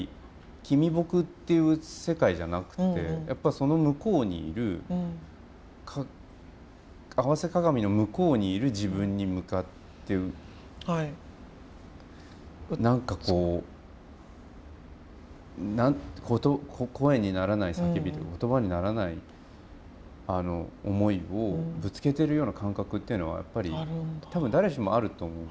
君僕っていう世界じゃなくてその向こうにいる合わせ鏡の向こうにいる自分に向かって何かこう声にならない叫び言葉にならない思いをぶつけてるような感覚っていうのはやっぱり多分誰しもあると思う。